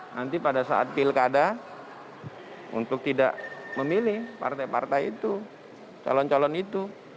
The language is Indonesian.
nanti pada saat pilkada untuk tidak memilih partai partai itu calon calon itu